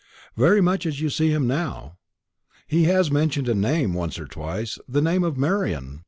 "Very much as you see him now. He has mentioned a name once or twice, the name of Marian.